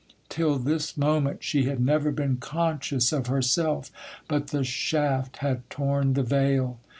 Till this moment, she had never been conscious of herself; but the shaft had torn the veil.